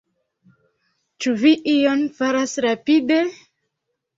Ĉu vi ion faras rapide?